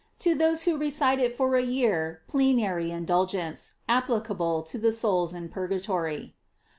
To those who recite it for a year, plenary indul gence, applicable to the souls in purgatory.